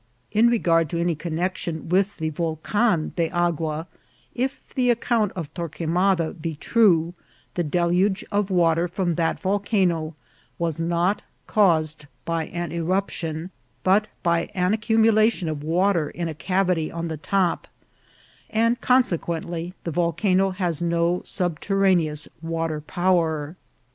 In regard to any connexion with the Volcan de Agua, if the account of Torquemada be true, the deluge of wa ter from that volcano was not caused by an eruption, but by an accumulation of water in a cavity on the top, and consequently the volcano has no subterraneous wa ter power.